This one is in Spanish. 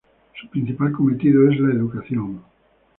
Su principal cometido es la educación.